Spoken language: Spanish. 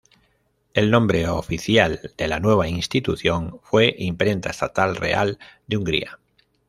El nombre oficial de la nueva institución fue Imprenta Estatal Real de Hungría.